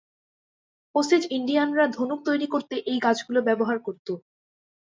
Osage ইন্ডিয়ানরা ধনুক তৈরি করতে এই গাছগুলো ব্যবহার করত।